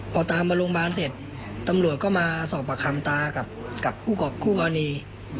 พอตามมาโรงพยาบาลเสร็จตำรวจก็มาสอบประคำตากับคู่กรณี